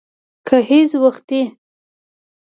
گهيځ وختي